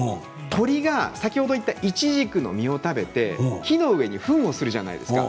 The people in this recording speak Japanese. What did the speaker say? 鳥が先ほど言ったイチジクの実を食べて木の上にフンをするじゃないですか。